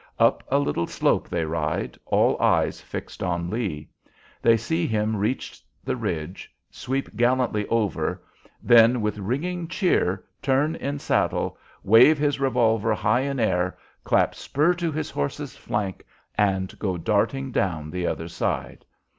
Up a little slope they ride, all eyes fixed on Lee. They see him reach the ridge, sweep gallantly over, then, with ringing cheer, turn in saddle, wave his revolver high in air, clap spur to his horse's flank and go darting down the other side.